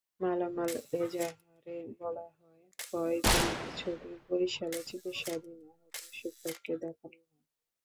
মামলার এজাহারে বলা হয়, ফয়জুল্লাহর ছবি বরিশালে চিকিৎসাধীন আহত শিক্ষককে দেখানো হয়।